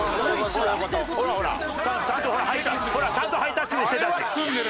ちゃんとほらちゃんとハイタッチもしてたし。